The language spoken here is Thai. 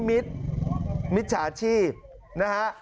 มิตรมิตรชาญชีพนะฮะ